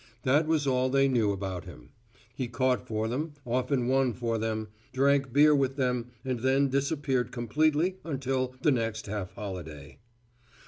That was all they knew about him. He caught for them, often won for them, drank beer with them and then disappeared completely until the next half holiday.